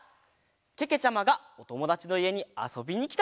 けけちゃまがおともだちのいえにあそびにきたところです。